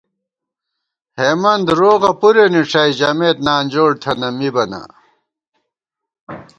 ہېمند روغہ پُرے نِݭَئ ژَمېت نانجوڑ تھنہ مِبَہ نا